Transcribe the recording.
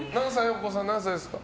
お子さん、何歳ですか？